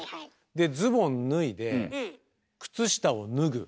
でズボン脱いで靴下を脱ぐ。